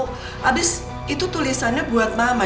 habis itu tulisannya buat mama